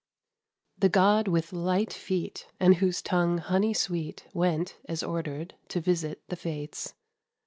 The god with light feet, And whose tongue's honey sweet, Went, as ordered, to visit the Fates.